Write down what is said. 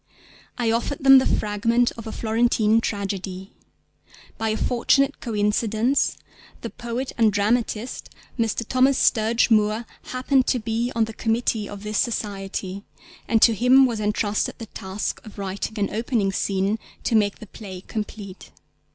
I offered them the fragment of A Florentine Tragedy. By a fortunate coincidence the poet and dramatist, Mr. Thomas Sturge Moore, happened to be on the committee of this Society, and to him was entrusted the task of writing an opening scene to make the play complete.